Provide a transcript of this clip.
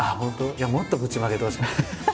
いやもっとぶちまけてほしかった。